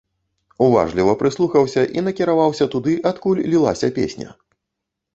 Уважліва прыслухаўся і накіраваўся туды, адкуль лілася песня.